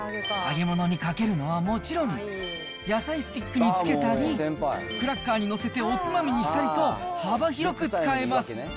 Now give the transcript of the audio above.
揚げ物にかけるのはもちろん、野菜スティックにつけたり、クラッカーに載せておつまみにしたりと、幅広く使えます。